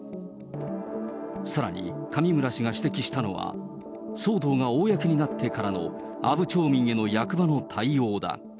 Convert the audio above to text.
さらに、上村氏が指摘したのは、騒動が公になってからの阿武町民への役場の対応だ。